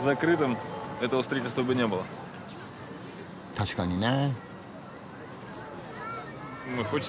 確かにね。